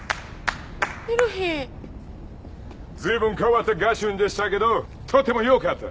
随分変わったガーシュウィンでしたけどとてもよかった。